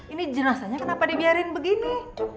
ini jelasannya kenapa dibiarin begini